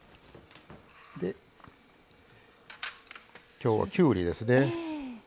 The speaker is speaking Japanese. きょうはきゅうりですね。